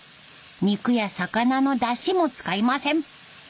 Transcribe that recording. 魚や肉のだしも使いません。